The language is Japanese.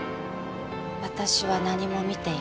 私は何も見ていません。